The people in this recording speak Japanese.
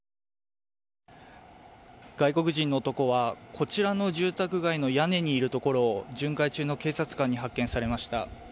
外国人の男は、こちらの住宅街の屋根にいるところを巡回中の警察官に発見されました。